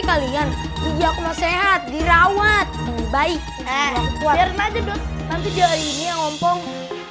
kalian sehat dirawat baik baik aja dong nanti jadi ngomong